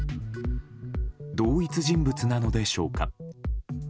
同一人物なのでしょうか。